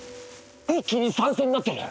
一気に酸性になってる！